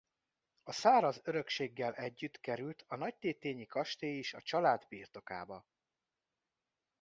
A Száraz-örökséggel együtt került a nagytétényi kastély is a család birtokába.